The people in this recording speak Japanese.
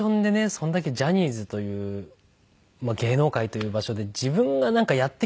それだけジャニーズというまあ芸能界という場所で自分がやっていけるという自信